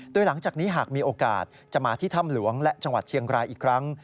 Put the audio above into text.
โดยหลังจากนี้หากมีโอกาสจะมาที่ถ้ำหลวงและจังหวัดเชียงรายอีกครั้ง